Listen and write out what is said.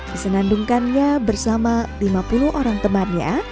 disenandungkannya bersama lima puluh orang temannya